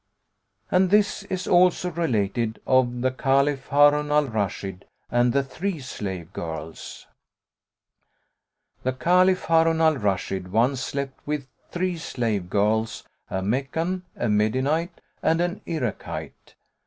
'" And this is also related of THE CALIPH HARUN AL RASHID AND THE THREE SLAVE GIRLS The Caliph Harun al Rashid once slept with three slave girls, a Meccan, a Medinite and an Irakite.